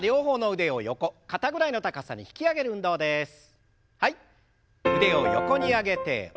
腕を横に上げて戻して。